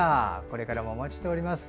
これからもお待ちしております。